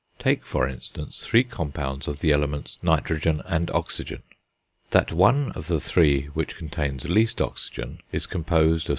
Take, for instance, three compounds of the elements nitrogen and oxygen. That one of the three which contains least oxygen is composed of 63.